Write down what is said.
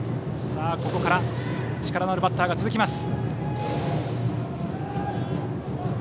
ここから力のあるバッターが続きます。